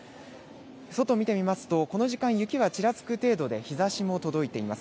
外を見てみますと、この時間雪はちらつく程度で日ざしも届いています。